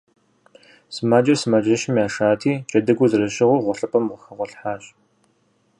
Сымаджэр сымаджэщым яшати, джэдыгур зэрыщыгъыу гъуэлъыпӏэм хэгъуэлъхьащ.